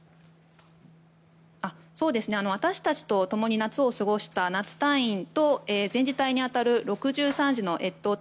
私たちとともに夏を過ごした夏隊員と前次隊に当たる６３次の越冬隊